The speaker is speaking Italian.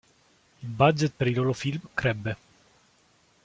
Il budget per i loro film crebbe.